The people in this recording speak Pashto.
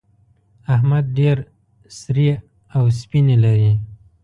احمد ډېر سرې او سپينې لري.